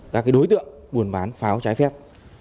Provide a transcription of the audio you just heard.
các đối tượng buôn bán pháo trái phép